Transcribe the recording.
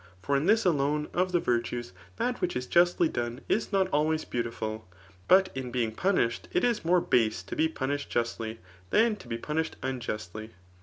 For in this alone of the virtues, that which is justly done is not always beau^* tiful> but in being punished, it is more base to be punished justly, than to be punished unjustly.